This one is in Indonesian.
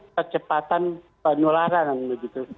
kecepatan penularan begitu